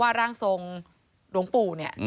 ว่าร่างทรงหลวงปู่เนี่ยอืม